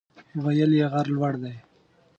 ویل یې غر لوړ دی.